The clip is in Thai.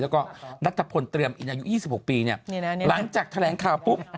แล้วก็นัทพลเตรียมอินอายุ๒๖ปีเนี่ยหลังจากแถลงข่าวปุ๊บ